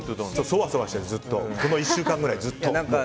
そわそわしてるのこの１週間ぐらい、ずっと。